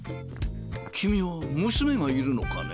君は娘がいるのかね？